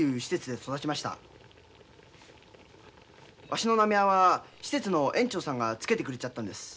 わしの名前は施設の園長さんが付けてくれちゃったんです。